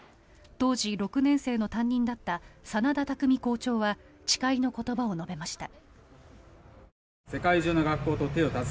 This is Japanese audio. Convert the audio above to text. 当時６年生の担任だった眞田巧校長は誓いの言葉を述べました。